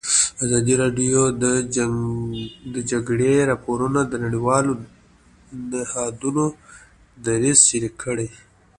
ازادي راډیو د د جګړې راپورونه د نړیوالو نهادونو دریځ شریک کړی.